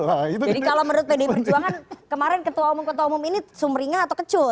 jadi kalau menurut pdi perjuangan kemarin ketua umum ketua umum ini sumringa atau kecut